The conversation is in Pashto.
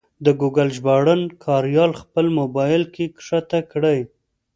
د ګوګل ژباړن کریال خپل مبایل کې کښته کړئ.